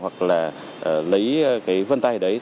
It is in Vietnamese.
hoặc là lấy cái vân tay đấy